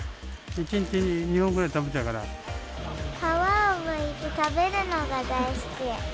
皮をむいて食べるのが大好き。